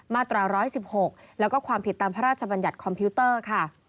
มาตรา๑๑๖แล้วก็ความผิดตามพระราชบัญญัติคอมพิวเตอร์ค่ะ